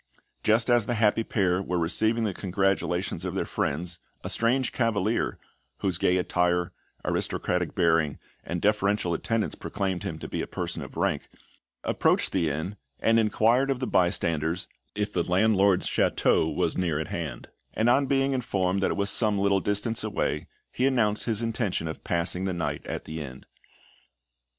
Just as the happy pair were receiving the congratulations of their friends, a strange cavalier whose gay attire, aristocratic bearing, and deferential attendants proclaimed him to be a person of rank approached the inn, and inquired of the bystanders if the landlord's château was near at hand; and on being informed that it was some little distance away, he announced his intention of passing the night at the inn.